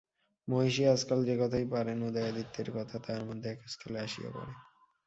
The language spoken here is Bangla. মহিষী আজকাল যে কথাই পাড়েন, উদয়াদিত্যের কথা তাহার মধ্যে এক স্থলে আসিয়া পড়ে।